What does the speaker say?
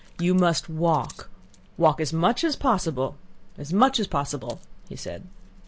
"You must walk, walk as much as possible, as much as possible," he said.